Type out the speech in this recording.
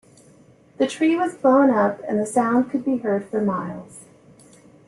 The tree was blown up and the sound could be heard for miles.